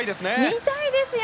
見たいですよ！